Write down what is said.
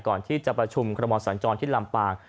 ก่อนที่จะประชุมคอรมอสัญจรที่ลำปาง